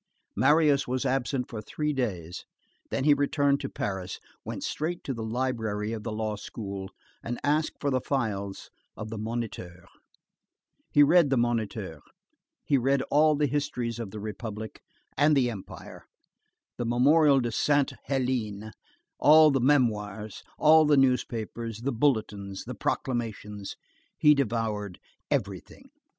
Marius was absent for three days, then he returned to Paris, went straight to the library of the law school and asked for the files of the Moniteur. He read the Moniteur, he read all the histories of the Republic and the Empire, the Memorial de Sainte Hélène, all the memoirs, all the newspapers, the bulletins, the proclamations; he devoured everything.